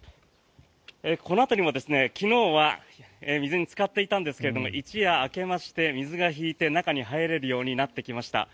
この辺りも昨日は水につかっていたんですが一夜明けまして、水が引いて中に入れるようになってきました。